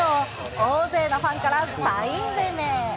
大勢のファンからサイン攻め。